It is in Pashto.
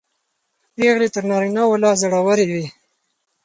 پېغلې تر نارینه و لا زړورې وې.